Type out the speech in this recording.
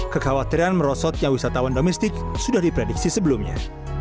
kekhawatiran merosotnya wisatawan domestik sudah diprediksi sebelumnya